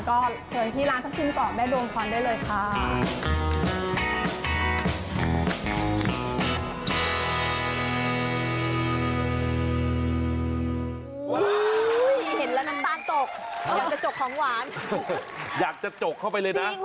ก็เชิญที่ร้านทับทิมต่อแม่ดวงพรได้เลยค่ะ